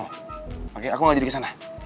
oke aku mau jadi kesana